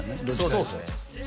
そうっすね